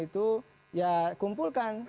itu ya kumpulkan